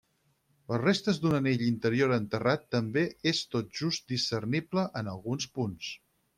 Les restes d'un anell interior enterrat també és tot just discernible en alguns punts.